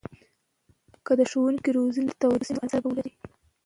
که د ښوونکو روزنې ته توجه وسي، نو اثر به ولري.